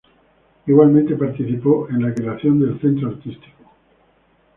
Igualmente participó en la creación del Centro Artístico.